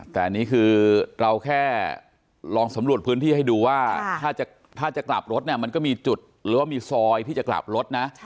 แต่อันนี้คือเราแค่ลองสำรวจพื้นที่ให้ดูว่าถ้าจะกลับรถเนี่ยมันก็มีจุดหรือว่ามีซอยที่จะกลับรถนะ